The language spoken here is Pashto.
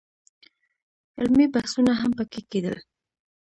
علمي بحثونه هم په کې کېدل.